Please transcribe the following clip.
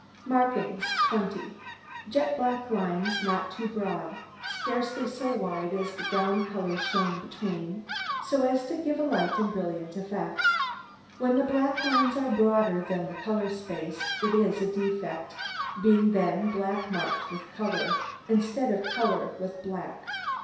MARKINGS 20 Jet black lines, not too broad, scarcely so wide as the ground colour shown between, so as to give a light and brilliant effect. When the black lines are broader than the colour space, it is a defect, being then black marked with colour, instead of colour with black.